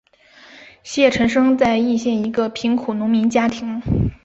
谢臣生在易县一个贫苦农民家庭。